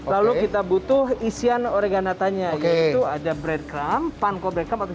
lalu kita butuh isian oreganatanya yaitu ada breadcrumb panko breadcrumb